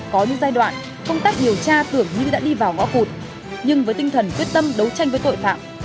có những giai đoạn công tác điều tra tưởng như đã đi vào ngõ cụt nhưng với tinh thần quyết tâm đấu tranh với tội phạm